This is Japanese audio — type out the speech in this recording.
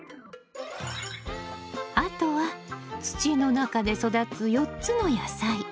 あとは土の中で育つ４つの野菜。